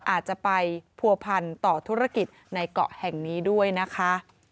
อาจจะไปผัวพันต่อธุรกิจในเกาะแห่งนี้ด้วยนะคะ